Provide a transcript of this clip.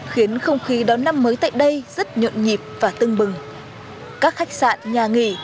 khiến không khí đón năm mới tại đây rất nhộn nhịp và tưng bừng các khách sạn nhà nghỉ